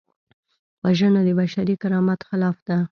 وژنه د بشري کرامت خلاف ده